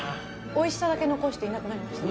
おいしさだけ残していなくなりました。